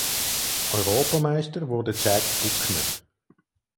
Europameister wurde Jack Buckner.